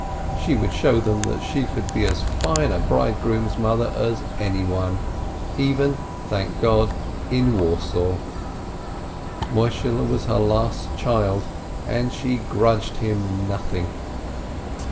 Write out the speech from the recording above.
She would show them that she could be as fine a bride groom's mother as anyone, even, thank God, in Warsaw. Moishehle was her last child, and she grudged him nothing.